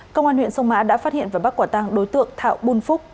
công an huyện sông mã đã phát hiện và bắt quả tăng đối tượng thạo bùn phúc